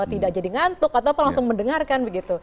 tidak jadi ngantuk atau apa langsung mendengarkan begitu